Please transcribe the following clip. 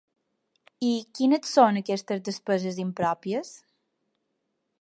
I quines són aquestes “despeses impròpies”?